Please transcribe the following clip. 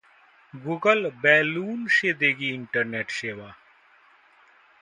Google balloon से देगी internet सेवा